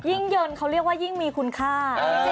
ยิ่งเย็นเค้าเรียกว่ายิ่งมีคุณค่า